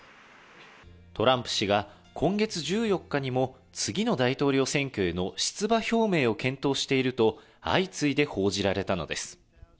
トランプ氏が今月１４日にも、次の大統領選挙への出馬表明を検討していると、相次いで報じられたのです。